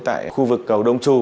tại khu vực cầu đông chủ